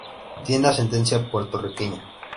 Tiene ascendencia puertorriqueña.